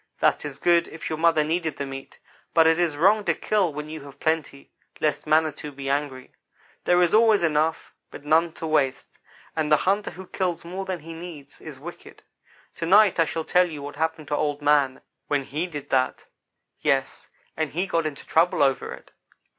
"That is good, if your mother needed the meat, but it is wrong to kill when you have plenty, lest Manitou be angry. There is always enough, but none to waste, and the hunter who kills more than he needs is wicked. To night I shall tell you what happened to Old man when he did that. Yes, and he got into trouble over it.